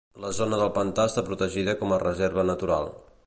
La zona del pantà està protegida com a reserva natural.